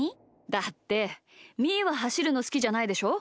だってみーははしるのすきじゃないでしょ？